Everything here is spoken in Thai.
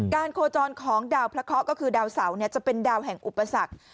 โคจรของดาวพระเคาะก็คือดาวเสาจะเป็นดาวแห่งอุปสรรค